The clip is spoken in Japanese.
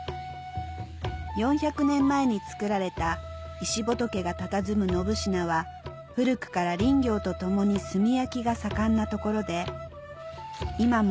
４００年前に作られた石仏がたたずむ信級は古くから林業とともに炭焼きが盛んな所で今も炭が焼かれていました